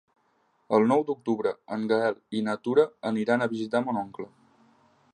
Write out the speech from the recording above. El nou d'octubre en Gaël i na Tura aniran a visitar mon oncle.